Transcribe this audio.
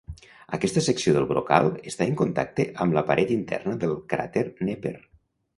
Aquesta secció del brocal està en contacte amb la paret interna del cràter Neper.